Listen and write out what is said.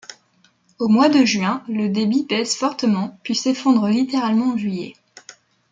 Au mois de juin, le débit baisse fortement, puis s'effondre littéralement en juillet.